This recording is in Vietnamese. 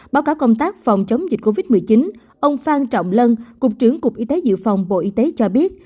báo cáo công tác phòng chống dịch covid một mươi chín ông phan trọng lân cục trưởng cục y tế dự phòng bộ y tế cho biết